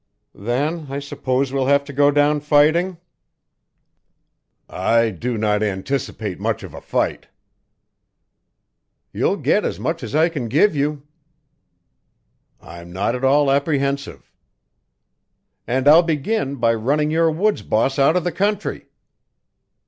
"Then I suppose we'll have to go down fighting?" "I do not anticipate much of a fight." "You'll get as much as I can give you." "I'm not at all apprehensive." "And I'll begin by running your woods boss out of the country."